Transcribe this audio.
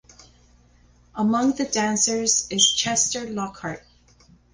Among the dancers is Chester Lockhart.